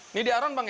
ini diaran bang ya